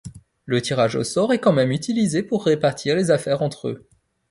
Le tirage au sort est quand même utilisé pour répartir les affaires entre eux.